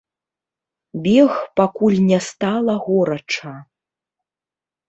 Бег пакуль не стала горача.